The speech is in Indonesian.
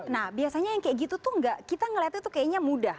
nah biasanya yang kayak gitu tuh enggak kita ngeliatnya tuh kayaknya mudah